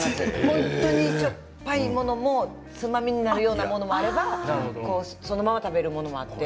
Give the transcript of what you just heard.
本当にしょっぱいものもつまみになるようなものもあればそのまま食べられるものもあって。